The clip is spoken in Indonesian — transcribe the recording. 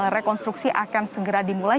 rekonstruksi akan segera dimulai